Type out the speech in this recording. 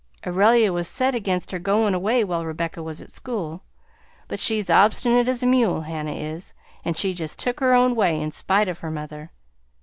Aurelia was set against her goin' away while Rebecca was at school, but she's obstinate as a mule, Hannah is, and she just took her own way in spite of her mother.